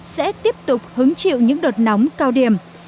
sẽ tiếp tục hứng chịu những đợt nóng cao điểm